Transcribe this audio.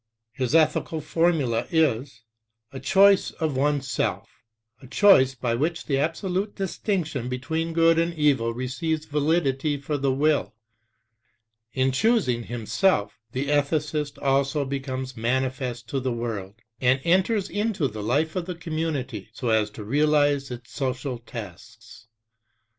His ethical formula is: the choice of one's self, a choice by which the absolute distinction between good and evil receives validity for the will. In choosing himself the ethicist also becomes manifest to the world, and enters into the life of the community so as to realize its social tasks.